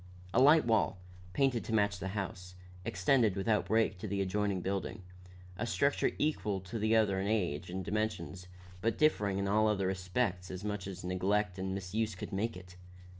A light wall, painted to match the house, extended without break to the adjoining building, a structure equal to the other in age and dimensions, but differing in all other respects as much as neglect and misuse could make it.